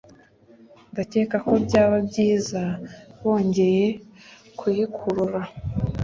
Ndakeka ko byaba byiza bongeye kuyikurura